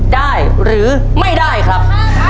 ตัวเลือกที่สี่สุภาพ